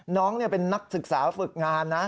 น้องเป็นนักศึกษาฝึกงานนะ